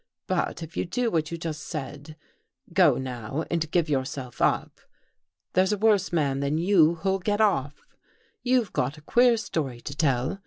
But if you do what you just said — go now and give yourself up, there's a worse man than you who'll get off. You've got a queer story to tell.